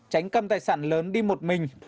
tránh cầm tài sản lớn đi một mình